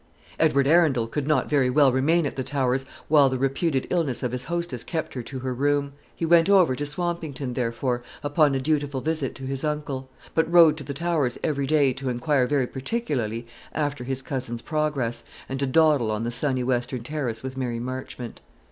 Edward Arundel could not very well remain at the Towers while the reputed illness of his hostess kept her to her room. He went over to Swampington, therefore, upon a dutiful visit to his uncle; but rode to the Towers every day to inquire very particularly after his cousin's progress, and to dawdle on the sunny western terrace with Mary Marchmont.